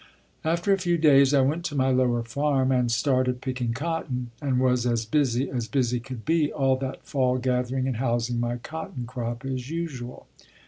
After a few days I went to my lower farm and started picking cotton, and was as busy as busy could be all that fall gathering and housing my cotton crop as usual.